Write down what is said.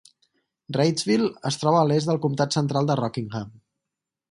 Reidsville es troba a l'est del comtat central de Rockingham.